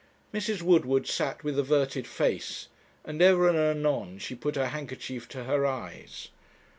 Mrs. Woodward sat with averted face, and ever and anon she put her handkerchief to her eyes.